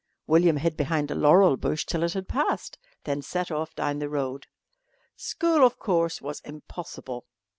William hid behind a laurel bush till it had passed, then set off down the road. School, of course, was impossible.